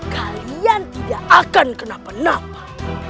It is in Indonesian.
kalian tidak akan kenapa napa